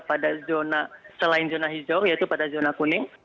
pada zona selain zona hijau yaitu pada zona kuning